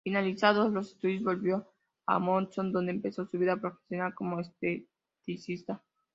Finalizados los estudios, volvió a Monzón, donde empezó su vida profesional como esteticista.